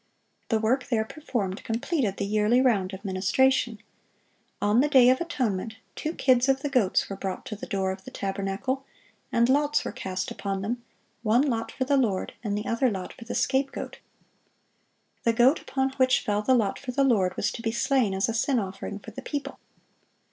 The work there performed completed the yearly round of ministration. On the day of atonement, two kids of the goats were brought to the door of the tabernacle, and lots were cast upon them, "one lot for the Lord, and the other lot for the scapegoat."(691) The goat upon which fell the lot for the Lord was to be slain as a sin offering for the people.